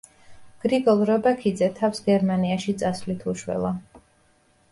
გრიგოლ რობაქიძე თავს გერმანიაში წასვლით უშველა.